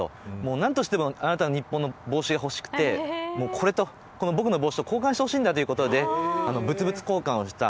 何としても、あなたの日本の帽子が欲しくて僕の帽子と交換してほしいんだということで物々交換をした。